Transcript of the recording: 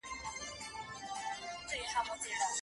تاسو د مېز تېنس لوبې پر مهال د توپ حرکت په ځیر سره وڅارئ.